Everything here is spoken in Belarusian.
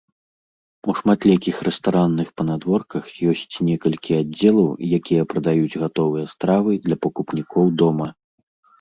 У шматлікіх рэстаранных панадворках ёсць некалькі аддзелаў, якія прадаюць гатовыя стравы для пакупнікоў дома.